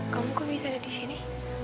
kamu kok bisa ada disini